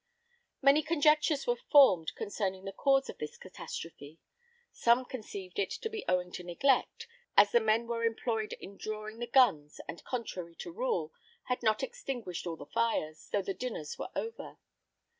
Many conjectures were formed concerning the cause of this catastrophe. Some conceived it to be owing to neglect, as the men were employed in drawing the guns, and contrary to rule, had not extinguished all the fires, though the dinners were over.